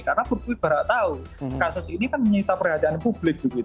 karena berpulih barat tahu kasus ini kan menyebutkan perhatian publik